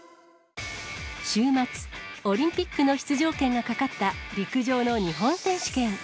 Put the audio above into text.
週末、オリンピックの出場権がかかった陸上の日本選手権。